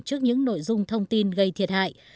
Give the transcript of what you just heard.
trước những nội dung thông tin gây thiệt hại